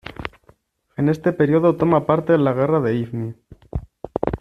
En este periodo toma parte en la Guerra de Ifni.